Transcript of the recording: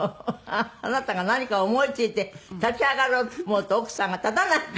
あなたが何かを思いついて立ち上がろうと思うと奥さんが「立たないで！」